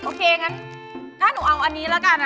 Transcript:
โอเคงั้นถ้าหนูเอาอันนี้ละกัน